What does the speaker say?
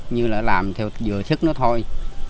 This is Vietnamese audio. như là làm theo vừa thức nó thôi